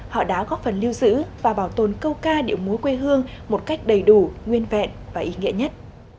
họ đã góp phần lưu giữ và bảo tồn câu ca điệu múa quê hương một cách đầy đủ nguyên vẹn và ý nghĩa nhất